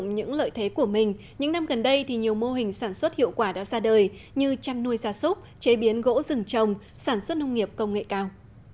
những năm gần đây nhiều mô hình sản xuất hiệu quả đã ra đời như trăn nuôi gia súc chế biến gỗ rừng trồng sản xuất nông nghiệp công nghệ cao